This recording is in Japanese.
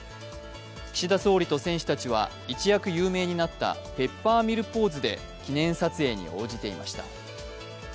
岸田総理と選手たちは一躍有名になったペッパーミルポーズで記念撮影に応じていました。